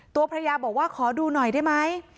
ตัวภรรยาบอกว่าขอดูหน่อยได้ไหม